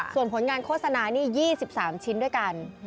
ส่วนผลงานโฆษณานี่๒๓ชิ้นด้วยกัน